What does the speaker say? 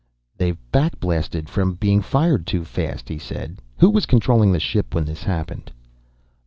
"They've back blasted from being fired too fast," he said. "Who was controlling the ship when this happened?"